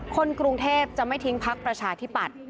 คนกรุงเทพจะไม่ทิ้งพักประชาธิปัตย์